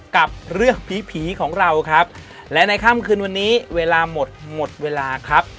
กับเรื่องผีผีของเราครับและในค่ำคืนวันนี้เวลาหมดหมดเวลาครับ